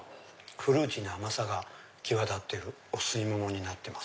フルーティーな甘さが際立ってるお吸い物になってます。